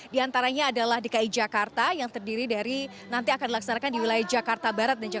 di antaranya adalah dki jakarta yang terdiri dari nanti akan dilaksanakan di wilayah jakarta barat